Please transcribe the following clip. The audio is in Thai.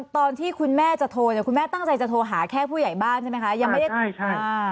ตอนที่คุณแม่จะโทรคุณแม่ตั้งใจจะโทรหาแค่ผู้ใหญ่บ้านใช่ไหมคะ